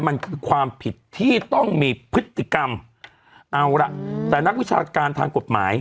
มันคือความผิดที่ต้องมีพฤติกรรมเอาล่ะแต่นักวิชาการทางกฎหมาย